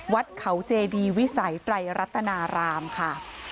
วัดเขาเจดีวิสัยไตรรัตนารามค่ะ